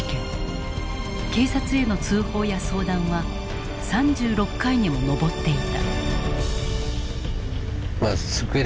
警察への通報や相談は３６回にも上っていた。